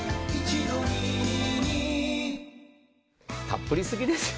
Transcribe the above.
たっぷりすぎですよ。